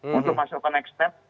untuk masuk ke next step